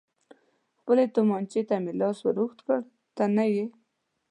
خپلې تومانچې ته مې لاس ور اوږد کړ، ته نه یې.